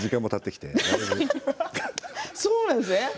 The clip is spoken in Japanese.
そうなんですね。